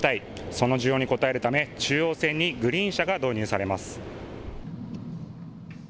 その重要に応えるため中央線にグリーン車が導入されます。